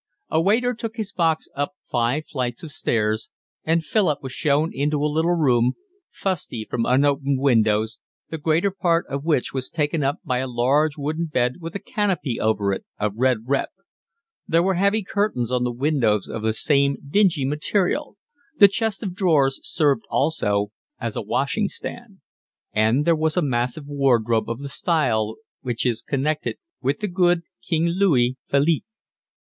A waiter took his box up five flights of stairs, and Philip was shown into a tiny room, fusty from unopened windows, the greater part of which was taken up by a large wooden bed with a canopy over it of red rep; there were heavy curtains on the windows of the same dingy material; the chest of drawers served also as a washing stand; and there was a massive wardrobe of the style which is connected with the good King Louis Philippe.